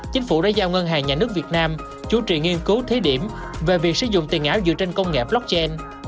chính phủ đã giao ngân hàng nhà nước việt nam chú trị nghiên cứu thí điểm về việc sử dụng tiền ảo dựa trên công nghệ blockchain